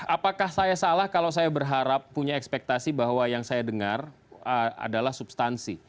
apakah saya salah kalau saya berharap punya ekspektasi bahwa yang saya dengar adalah substansi